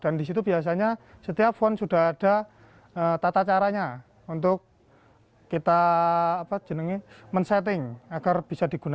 misalnya setiap font sudah ada tata caranya untuk kita men setting agar bisa digunakan di perangkat digital kita